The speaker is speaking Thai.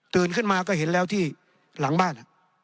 ขึ้นมาก็เห็นแล้วที่หลังบ้าน